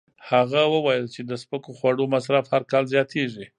هغه وویل چې د سپکو خوړو مصرف هر کال زیاتېږي.